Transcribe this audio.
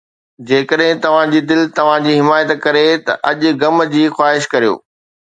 جيڪڏهن توهان جي دل توهان جي حمايت ڪري ٿي، اڄ غم جي خواهش ڪريو